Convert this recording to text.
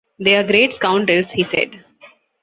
‘They are great scoundrels,’ he said.